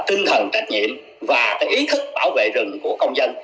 tinh thần trách nhiệm và ý thức bảo vệ rừng của công dân